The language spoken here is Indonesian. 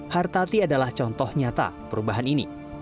hartati adalah contoh nyata perubahan ini